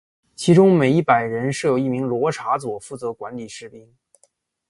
其中每一百人设有一名罗苴佐负责管理士兵。